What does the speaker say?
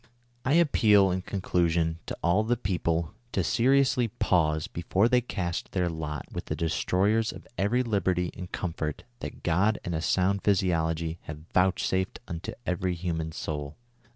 "I appeal, in conclusion, to all the people, to seriously pause before they cast their lot with the destroyers of every liberty and comfort that God and a sound physiology have vouchsafed xuito every human soul.